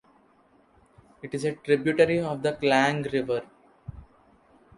It is a tributary of the Klang River.